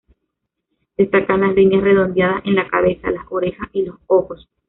Destacan las líneas redondeadas en la cabeza, las orejas, y los ojos.